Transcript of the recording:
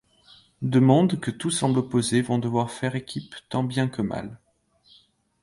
Deux mondes que tout semble opposer vont devoir faire équipe tant bien que mal.